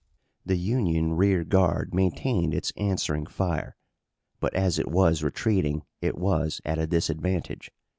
The Union rear guard maintained its answering fire, but as it was retreating it was at a disadvantage.